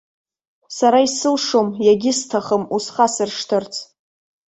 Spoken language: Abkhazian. Сара исылшом, иагьысҭахым усхасыршҭырц.